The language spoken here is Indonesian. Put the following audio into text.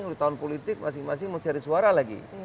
di tahun politik masing masing mau cari suara lagi